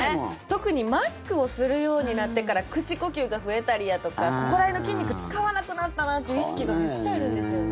特にマスクをするようになってから口呼吸が増えたりだとかここら辺の筋肉使わなくなったなという意識がめっちゃあるんですよね。